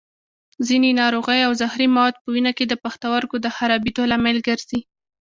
ځینې ناروغۍ او زهري مواد په وینه کې د پښتورګو د خرابېدو لامل ګرځي.